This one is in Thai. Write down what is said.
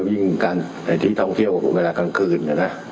ยิ่งการให้ที่ท่องเที่ยวกับผมก็ได้กลางคืนนะครับ